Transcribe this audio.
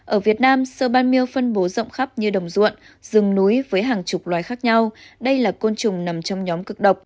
ở việt nam sơ ban mail phân bố rộng khắp như đồng ruộng rừng núi với hàng chục loài khác nhau đây là côn trùng nằm trong nhóm cực độc